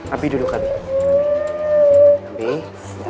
abie duduk abie